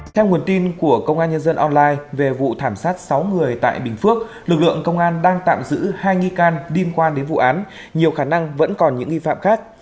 theo nguồn tin của công an nhân dân online về vụ thảm sát sáu người tại bình phước lực lượng công an đang tạm giữ hai nghi can liên quan đến vụ án nhiều khả năng vẫn còn những nghi phạm khác